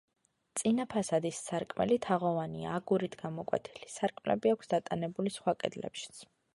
წინა ფასადის სარკმელი თაღოვანია, აგურით გამოკვეთილი, სარკმლები აქვს დატანებული სხვა კედლებშიც.